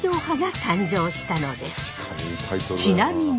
ちなみに。